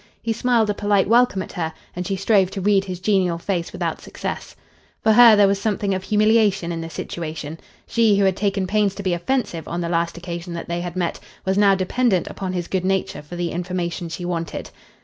He smiled a polite welcome at her, and she strove to read his genial face without success. For her there was something of humiliation in the situation. She, who had taken pains to be offensive on the last occasion that they had met, was now dependent upon his good nature for the information she wanted.